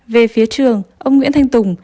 về phía trường ông nguyễn thanh tùng